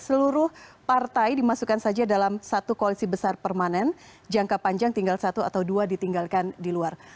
seluruh partai dimasukkan saja dalam satu koalisi besar permanen jangka panjang tinggal satu atau dua ditinggalkan di luar